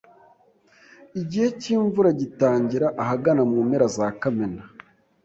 Igihe cyimvura gitangira ahagana mu mpera za Kamena.